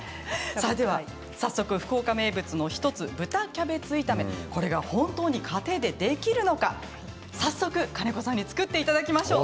福岡名物の１つ豚キャベツ炒め、これが本当に家庭で、できるのか早速、金子さんに作っていただきましょう。